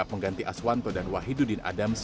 pengganti aswanto dan wahidudin adams